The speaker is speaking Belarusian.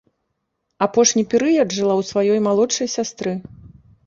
Апошні перыяд жыла ў сваёй малодшай сястры.